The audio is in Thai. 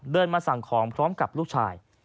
มาสั่งของพร้อมกับลูกชาย